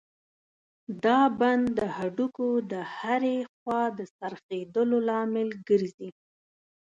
دا بند د هډوکو د هرې خوا د څرخېدلو لامل ګرځي.